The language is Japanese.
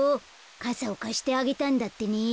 かさをかしてあげたんだってね。